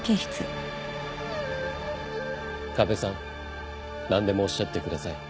ＫＡＢＥさん何でもおっしゃってください。